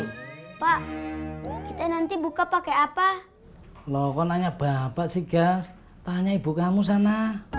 di colong orang pak kita nanti buka pakai apa loko nanya bapak si gas tanya ibu kamu sana